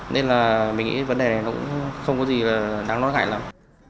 nên là mình nghĩ vấn đề này nó cũng không có gì là đáng lo ngại lắm